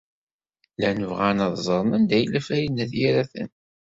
Llan bɣan ad ẓren anda yella Farid n At Yiraten.